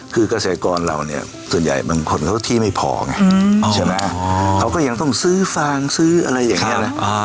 คือเกษตรกรเราเนี่ยส่วนใหญ่บางคนเขาที่ไม่พอไงใช่ไหมเขาก็ยังต้องซื้อฟางซื้ออะไรอย่างนี้นะ